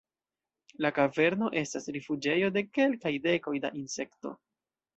La kaverno estas rifuĝejo de kelkaj dekoj da insekto.